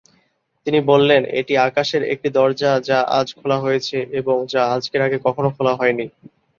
তিনি বললেন: 'এটি আকাশের একটি দরজা যা আজ খোলা হয়েছে এবং যা আজকের আগে কখনও খোলা হয়নি।'